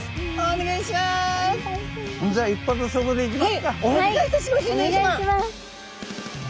お願いします。